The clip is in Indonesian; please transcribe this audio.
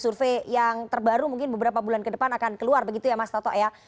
survei yang terbaru mungkin beberapa bulan ke depan akan keluar begitu ya mas toto ya